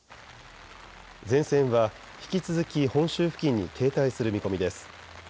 前線は引き続き本州付近に停滞する見込みです。